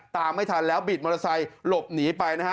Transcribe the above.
ตามไม่ทันแล้วบิดมอเตอร์ไซค์หลบหนีไปนะฮะ